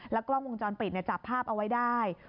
กล้องวงจรปิดจับภาพเอาไว้ได้